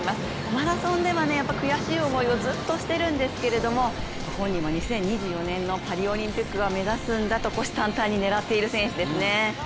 マラソンでは悔しい思いをずっとしているんですけど本人も２０２４年のパリオリンピックは目指すんだと虎視眈々と狙っている選手です。